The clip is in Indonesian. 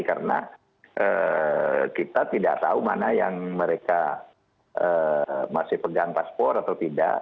karena kita tidak tahu mana yang mereka masih pegang paspor atau tidak